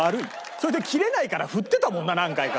それで切れないから振ってたもんな何回か。